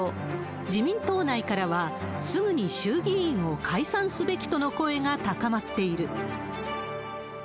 自民党内からは、すぐに衆議院を解散すべきとの声が高まっている。